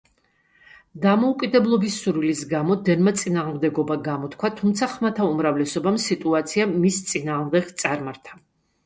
დამოუკიდებლობის სურვილის გამო, დენმა წინააღმდეგობა გამოთქვა, თუმცა, ხმათა უმრავლესობამ, სიტუაცია მის წინააღმდეგ წარმართა.